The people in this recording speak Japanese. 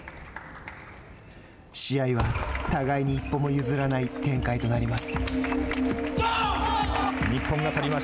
試合は互いに一歩も譲らない展開となります。